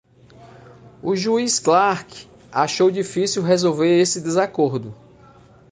O juiz Clark achou difícil resolver esse desacordo.